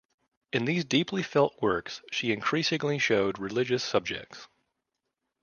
In these deeply felt works she increasingly showed religious subjects.